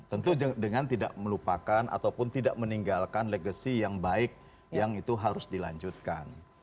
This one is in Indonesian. tentu dengan tidak melupakan ataupun tidak meninggalkan legacy yang baik yang itu harus dilanjutkan